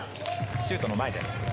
シュートの前です。